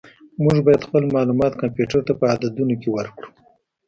موږ باید خپل معلومات کمپیوټر ته په عددونو کې ورکړو.